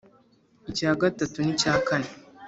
icya gatatu n icya kane